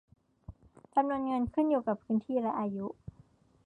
จำนวนเงินขึ้นกับพื้นที่และอายุ